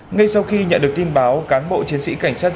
ngay sau khi nhận được tin báo cán bộ chiến sĩ cảnh sát giao dịch